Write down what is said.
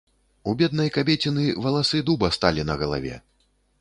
У беднай кабеціны валасы дуба сталі на галаве.